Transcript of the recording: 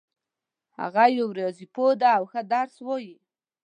هغه یو ریاضي پوه ده او ښه درس وایي